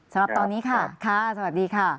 สำหรับตอนนี้ค่ะค่ะสวัสดีค่ะ